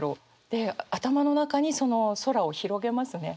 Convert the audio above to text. で頭の中にその空を広げますね。